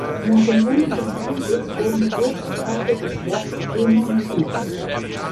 Nach dem Ende des Krieges wurden große Teiles des Werks demontiert.